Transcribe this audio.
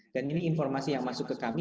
dan ini informasi yang masuk ke kami